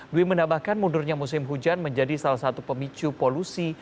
dwi menambahkan mundurnya musim hujan menjadi salah satu pemicu polusi